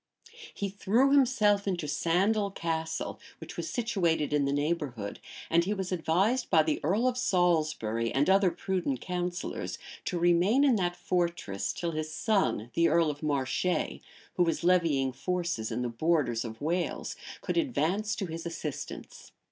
He threw himself into Sandal Castle, which was situated in the neighborhood; and he was advised by the earl of Salisbury, and other prudent counsellors, to remain in that fortress till his son, the earl of Marche, who was levying forces in the borders of Wales, could advance to his assistance.